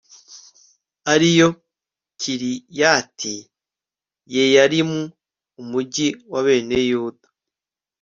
ari yo kiriyati yeyarimu, umugi wa bene yuda